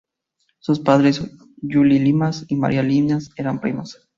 Sus padres Juli Llinás y Maria Llinás eran primos.